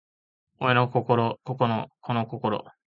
親の心子の心